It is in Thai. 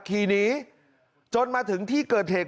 ขี่หนีจนมาถึงที่เกิดเหตุ